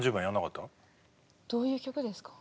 どういう曲ですか？